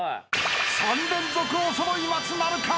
［３連続おそろい松なるか？］